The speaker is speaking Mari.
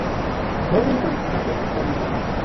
— Бобрикым, — вашештыш корныеҥ.